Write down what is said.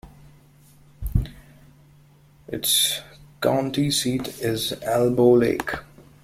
Its county seat is Elbow Lake.